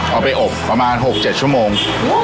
เอาไปอบประมาณหกเจ็ดชั่วโมง